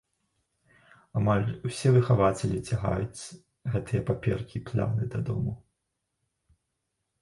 Амаль усе выхавацелі цягаюць гэтыя паперкі-планы дадому.